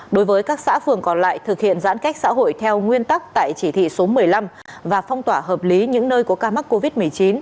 đối với các xã phường còn lại thực hiện giãn cách xã hội theo nguyên tắc tại chỉ thị số một mươi năm và phong tỏa hợp lý những nơi có ca mắc covid một mươi chín